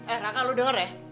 eh raka lo denger ya